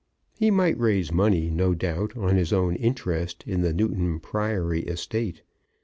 He might raise money, no doubt, on his own interest in the Newton Priory estate.